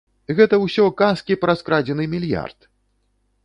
Гэта ўсё казкі пра скрадзены мільярд!